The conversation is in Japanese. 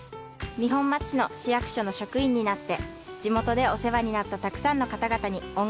二本松市の市役所の職員になって地元でお世話になったたくさんの方々に恩返しがしたいです。